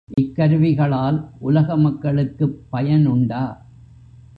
இக்கருவிகளால் உலக மக்களுக்குப் பயனுண்டா?